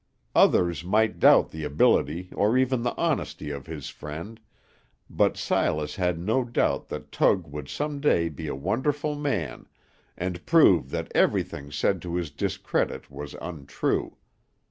Others might doubt the ability or even the honesty of his friend, but Silas had no doubt that Tug would some day be a wonderful man, and prove that everything said to his discredit was untrue.